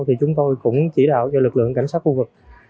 thì chúng tôi cũng chỉ đạo cho lực lượng cảnh sát khu vực